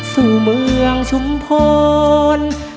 สู่เมืองชุมพร